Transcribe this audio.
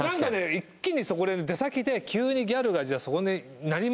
一気にこれで出先で急にギャルがそこでなりましたっつって